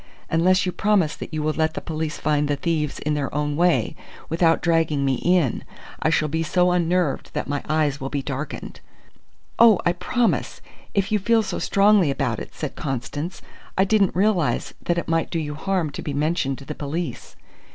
Unless you promise that you will let the police find the thieves in their own way, without dragging me in, I shall be so unnerved that my eyes will be darkened." "Oh, I promise, if you feel so strongly about it," said Constance. "I didn't realize that it might do you harm to be mentioned to the police."